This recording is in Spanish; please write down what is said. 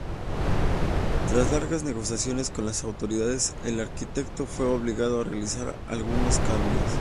Tras largas negociaciones con las autoridades, el arquitecto fue obligado a realizar algunos cambios.